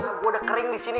gue udah kering disini